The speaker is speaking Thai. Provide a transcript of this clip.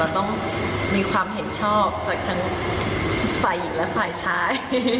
ต้องมีความเห็นชอบจากทั้งฝ่ายหญิงและฝ่ายชาย